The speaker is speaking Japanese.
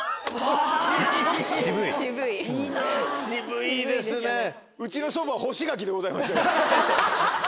渋いですね。